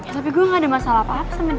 tapi gue gak ada masalah apa apa sama dia